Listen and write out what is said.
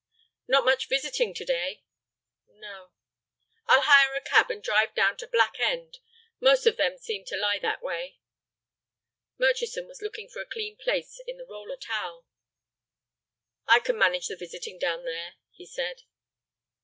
"Not much visiting to day." "No." "I'll hire a cab, and drive down to Black End. Most of them seem to lie that way." Murchison was looking for a clean place in the roller towel. "I can manage the visiting down there," he said.